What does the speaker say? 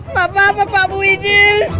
papa apa pak bu ini